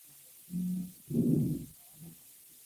La ciudad es sede de la Universidad de Hiroshima.